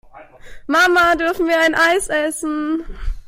Mama, dürfen wir ein Eis essen?